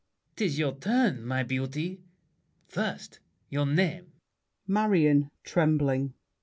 ] 'Tis your turn, My beauty. First, your name. MARION (trembling).